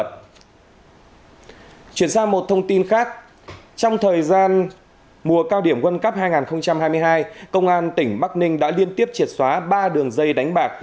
trong thời gian mùa cao điểm quân cấp hai nghìn hai mươi hai công an tỉnh bắc ninh đã liên tiếp triệt xóa ba đường dây đánh bạc